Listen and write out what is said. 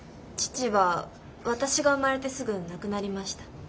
父は私が生まれてすぐ亡くなりました。